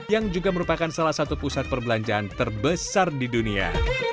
yang juga merupakan salah satu pusat perbelanjaan terbesar di dunia